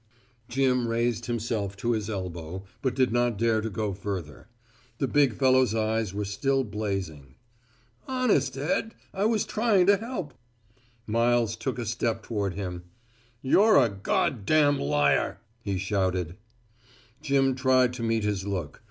Jim raised himself to his elbow, but did not dare to go further. The big fellow's eyes were still blazing. "Honest, Ed, I was trying to help." Miles took a step toward him. "You're a G d d d liar!" he shouted. Jim tried to meet his look.